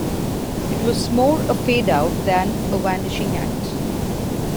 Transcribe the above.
It was more a fade-out than a vanishing act...